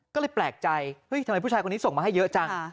ก็เลยแปลกใจเฮ้ยทำไมผู้ชายคนนี้ส่งมาให้เยอะจัง